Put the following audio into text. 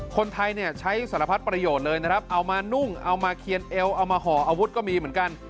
คนไทยเนี่ยใช้สารพัดประโยชน์เลยนะครับเอามานุ่งเอามาเคียนเอวเอามาห่ออาวุธก็มีเหมือนกัน